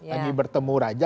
lagi bertemu raja